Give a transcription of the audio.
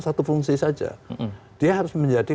satu fungsi saja dia harus menjadi